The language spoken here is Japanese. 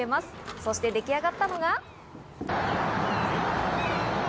そして出来上がったのが。